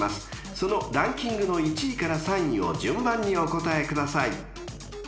［そのランキングの１位から３位を順番にお答えください］